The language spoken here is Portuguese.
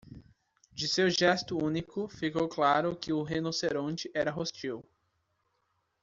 De seu gesto único, ficou claro que o rinoceronte era hostil.